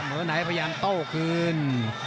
เมื่อไหนพยานโต้คืน